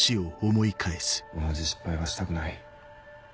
同じ失敗はしたくない。